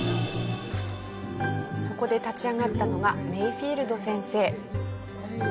そこで立ち上がったのがメイフィールド先生。